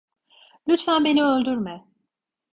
Lütfen beni öldürme!